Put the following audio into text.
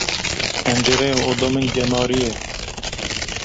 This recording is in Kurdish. Pencereya odeya min gemarî ye.